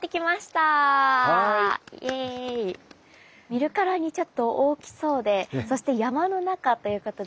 見るからにちょっと大きそうでそして山の中ということで。